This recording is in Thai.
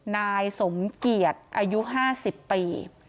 นายสมเกียจอายุ๕๐ปี